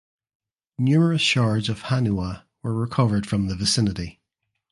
Numerous shards of "haniwa" were recovered from the vicinity.